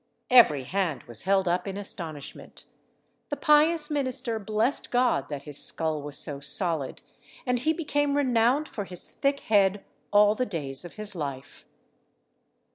Every hand was held up in astonishment. The pious minister blessed God that his skull was so solid, and he became renowned for his thick head all the days of his life.